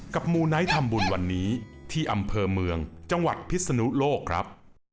มูไนท์ทำบุญวันนี้ที่อำเภอเมืองจังหวัดพิศนุโลกครับ